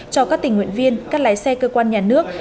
cho các tình nguyện viên các lái xe cơ quan nhà nước